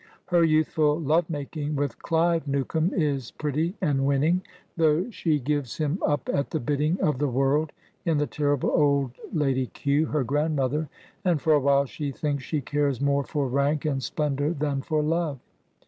Her youthful love making with Clive Newcome is pretty and winning, though she gives him up at the bidding of the world in the terrible old Lady Kew, her grandmother, and for a while she thinks she cares more for rank and splendor than for love.